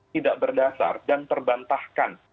tidak berdasar dan terbantahkan